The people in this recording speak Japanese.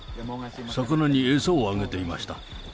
魚に餌をあげていました。